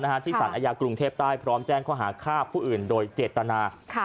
นะฮะที่ศรรยากรุงเทพใต้พร้อมแจ้งข้อหาคาพผู้อื่นโดยเจตนาค่ะ